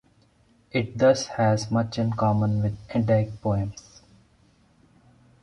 It thus has much in common with the Eddaic poems.